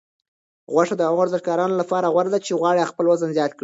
غوښه د هغو ورزشکارانو لپاره غوره ده چې غواړي خپل وزن زیات کړي.